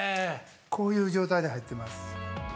◆こういう状態で入ってます。